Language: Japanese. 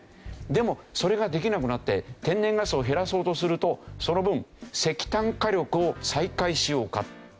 でもそれができなくなって天然ガスを減らそうとするとその分石炭火力を再開しようか。